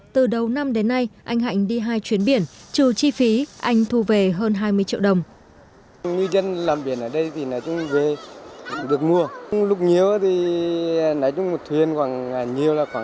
từ đầu năm đến nay anh hạnh đi hai chuyến biển trừ chi phí anh thu về hơn hai mươi triệu đồng